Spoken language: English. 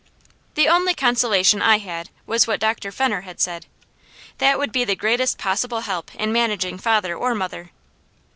The only consolation I had was what Dr. Fenner had said. That would be the greatest possible help in managing father or mother.